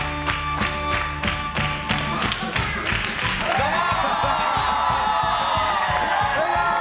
どうも！